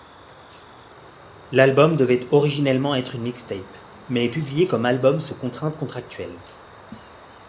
L'album devait originellement être une mixtape, mais est publié comme album sous contrainte contractuelle.